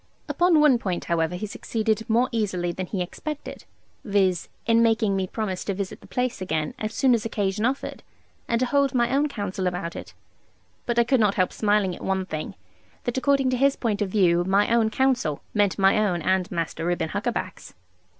Upon one point, however, he succeeded more easily than he expected, viz. in making me promise to visit the place again, as soon as occasion offered, and to hold my own counsel about it. But I could not help smiling at one thing, that according to his point of view my own counsel meant my own and Master Reuben Huckaback's.